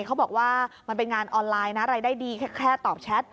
เขาบอกว่ามันเป็นงานออนไลน์นะรายได้ดีแค่ตอบแชท